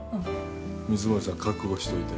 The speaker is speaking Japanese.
水森さん覚悟しといて。